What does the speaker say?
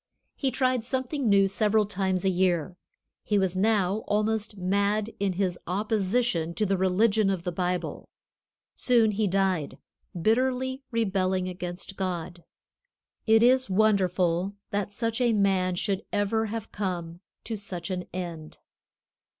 He tried something new several times a year. He was now almost mad in his opposition to the religion of the Bible. Soon he died, bitterly rebelling against God. It is wonderful that such a man should ever have come to such an end."